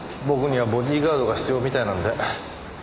僕にはボディーガードが必要みたいなんで。